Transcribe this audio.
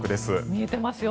見えてますよ。